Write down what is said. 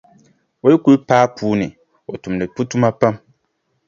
O yi kuli paai puu ni, o tumdi tuma pam.